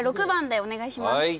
６番でお願いします。